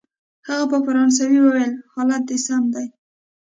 هغه په فرانسوي وویل: حالت دی سم دی؟